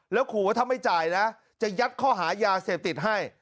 แล้วขอว่าถ้าไม่จ่ายนะจะยัดข้อหายาเสพติดให้